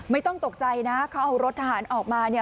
ไม่ต้องตกใจนะเขาเอารถทหารออกมาเนี่ย